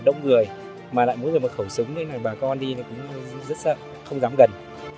súng mà lại muốn được một khẩu súng với này bà con đi cũng rất sợ không dám gần